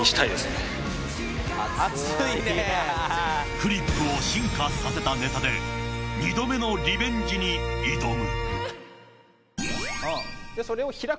フリップを進化させたネタで二度目のリベンジに挑む。